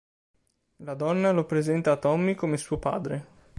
La donna lo presenta a Tommy come suo padre.